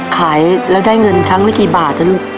ขายแล้วได้เงินครั้งละกี่บาทนะลูก